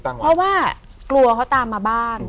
เพราะว่ากลัวเขาตามมาบ้าน